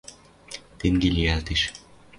Тенге лиӓлтеш.